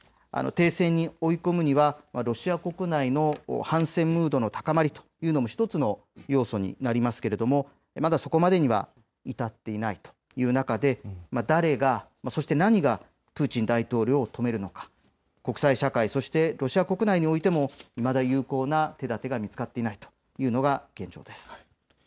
停戦に追い込むにはロシア国内の反戦ムードの高まりというのも１つの要素になりますけれども、まだ、そこまでには至っていないという形で誰が、そして何が、プーチン大統領を止めるのか、国際社会、そしてロシア国内においてもいまだ有効な手だてが見つかっていないというのが現状です。